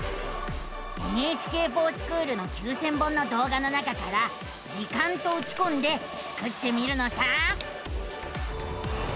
「ＮＨＫｆｏｒＳｃｈｏｏｌ」の９，０００本のどう画の中から「時間」とうちこんでスクってみるのさ！